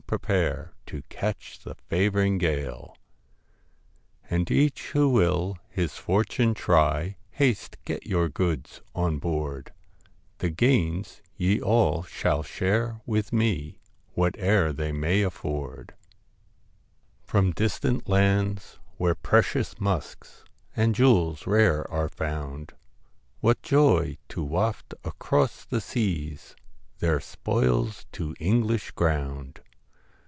prepare To catch the fav'ring gale ; And each who will his fortune try, Haste, get your goods on board, The gains ye all shall share with me, Whate'er they may afford ; 125 WHIT From distant lands where precious musks TINGTON And jewels rare are found, AI J HIS what joy to waft across the seas Their spoils to English ground